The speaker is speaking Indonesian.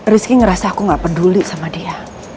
rizky ngerasa aku nggak peduli sama dia